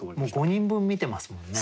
５人分見てますもんね。